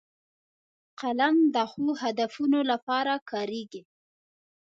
قلم د ښو هدفونو لپاره کارېږي